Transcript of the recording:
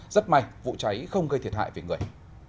rất may vụ cháy không gây thiệt hại về người